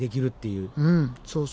うんそうそう。